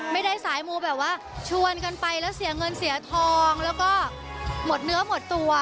สายมูแบบว่าชวนกันไปแล้วเสียเงินเสียทองแล้วก็หมดเนื้อหมดตัว